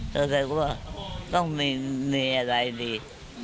เธอแต่ก็ต้องมีอะไรดี